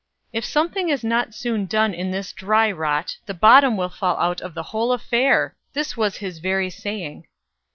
"If something is not soon done in this dry rot, the bottom will fall out of the whole affair!" This was his very saying.